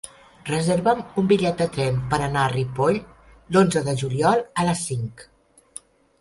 Reserva'm un bitllet de tren per anar a Ripoll l'onze de juliol a les cinc.